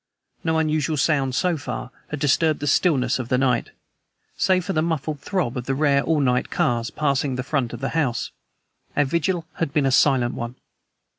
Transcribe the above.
No unusual sound, so far, had disturbed the stillness of the night. Save for the muffled throb of the rare all night cars passing the front of the house, our vigil had been a silent one.